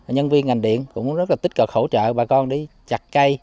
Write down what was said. nhân viên ngành điện cũng rất tích cực hỗ trợ bà con để chặt cây